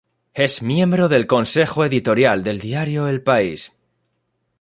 Es miembro del Consejo Editorial del diario El País.